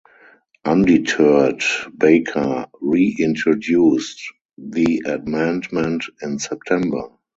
Undeterred, Baker reintroduced the amendment in September.